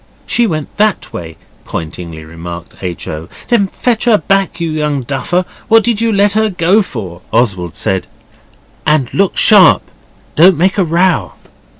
'She went that way,' pointingly remarked H. O. 'Then fetch her back, you young duffer! What did you let her go for?' Oswald said. 'And look sharp. Don't make a row.